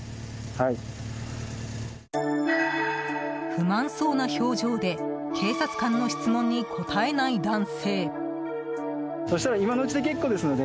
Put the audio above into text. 不満そうな表情で警察官の質問に答えない男性。